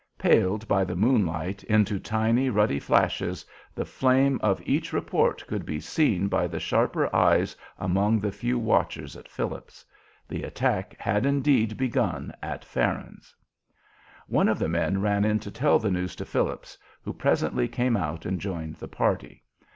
Paled by the moonlight into tiny, ruddy flashes, the flame of each report could be seen by the sharper eyes among the few watchers at Phillips's. The attack had indeed begun at Farron's. One of the men ran in to tell the news to Phillips, who presently came out and joined the party.